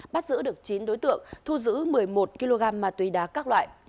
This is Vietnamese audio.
bắt giữ được chín đối tượng thu giữ một mươi một kg ma túy đá các loại